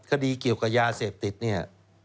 คดีเกี่ยวกับยาเสพติดเนี่ย